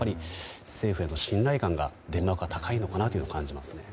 政府への信頼感がデンマークは高いのかなと思いましたね。